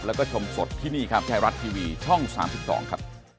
แล้วก็ชมสดที่นี่ครับไทยรัฐทีวีช่อง๓๒ครับ